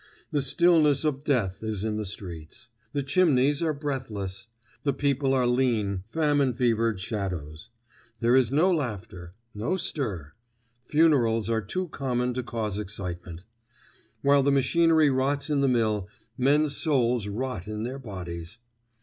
The stillness of death is in the streets. The chimneys are breathless. The people are lean, famine fevered shadows. There is no laughter. No stir. Funerals are too common to cause excitement. While the machinery rots in the mill, men's souls rot in their bodies.